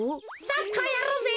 サッカーやろうぜ。